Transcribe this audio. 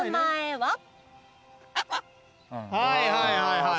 はいはいはいはいはい。